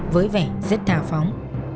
với vẻ rất thảo phóng